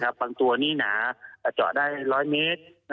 บางตัวนี้หนาเจาะได้๑๐๐เมตร